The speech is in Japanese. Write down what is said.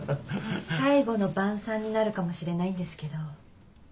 最後の晩さんになるかもしれないんですけど。